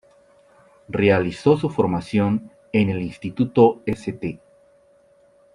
Realizó su formación en el instituto St.